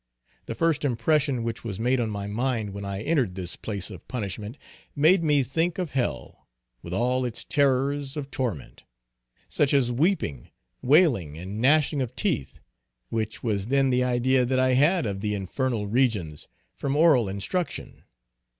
The first impression which was made on my mind when I entered this place of punishment, made me think of hell, with all its terrors of torment; such as "weeping, wailing, and gnashing of teeth," which was then the idea that I had of the infernal regions from oral instruction.